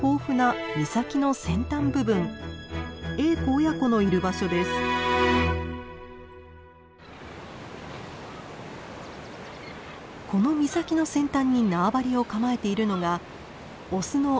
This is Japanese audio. この岬の先端に縄張りを構えているのがオスのＸです。